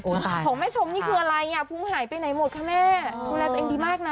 ของแม่ชมนี่คืออะไรอ่ะพุงหายไปไหนหมดคะแม่ดูแลตัวเองดีมากนะ